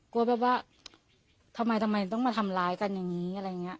กลัวแบบว่าทำไมทำไมต้องมาทำร้ายกันอย่างนี้อะไรอย่างนี้